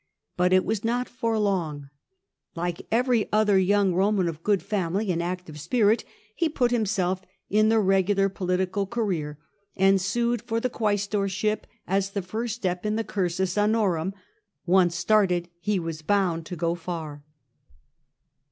But it was not for long; like every other young Roman of good family and active spirit, he put himself in the regular political career, and sued for the quaestorship, as the first step in the curms honorum. Once started he was bound to go far.